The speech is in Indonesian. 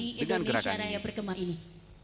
tidak bisa diperhitungkan dengan gerakan ini